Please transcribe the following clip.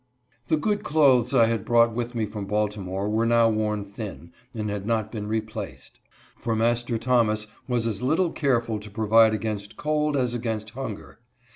The good clothes I had brought with me from Balti more were now worn thin, and had not been replaced ; H2 MY BROTHER IN THE CHURCH. for Master Thomas was as little careful to provide against cold as against hunger.